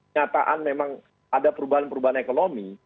nyataan memang ada perubahan perubahan ekonomi